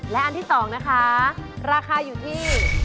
และอันที่๒นะคะราคาอยู่ที่